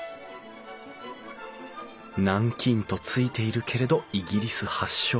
南京と付いているけれどイギリス発祥。